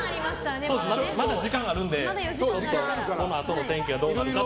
まだ時間あるのでこのあとの天気がどうなるかと。